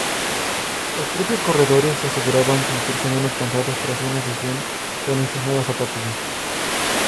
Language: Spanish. Los propios corredores aseguraban sentirse menos cansados tras una sesión con estas nuevas zapatillas.